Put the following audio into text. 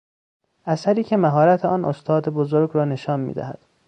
اثری که مهارت آن استاد بزرگ را نشان میدهد